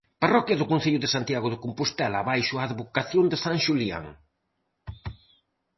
Parroquia do concello de Santiago de Compostela baixo a advocación de san Xulián.